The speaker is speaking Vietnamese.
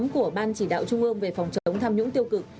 của ban chỉ đạo trung ương về phòng chống tham nhũng tiêu cực